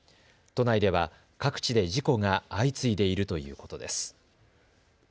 都内では各地で事故が相次いでいるということです。